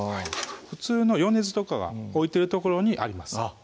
普通の米酢とかが置いてる所にありますあっ